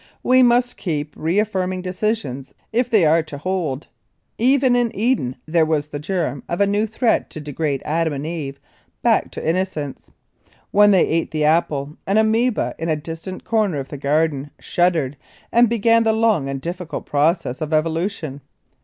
We must keep reaffirming decisions if they are to hold. Even in Eden there was the germ of a new threat to degrade Adam and Eve back to innocence. When they ate the apple an amoeba in a distant corner of the Garden shuddered and began the long and difficult process of evolution.